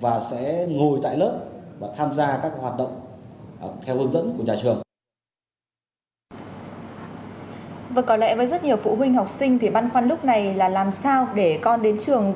và sẽ ngồi tại lớp và tham gia các hoạt động theo hướng dẫn của nhà trường